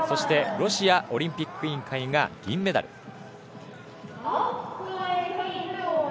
ロシアオリンピック委員会が銀メダル。